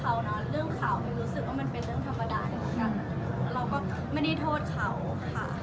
เราก็ไม่ได้โทษเขาค่ะ